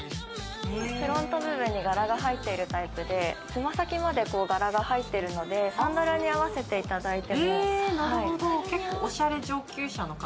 フロント部分に柄が入っているタイプで、爪先まで柄が入っているので、サンダルに合わせていただいても。